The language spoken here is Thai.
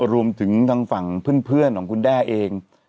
รวมถึงทางฝั่งเพื่อนของคุณแด้เอง